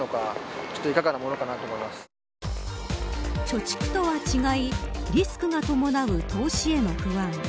貯蓄とは違いリスクが伴う投資への不安。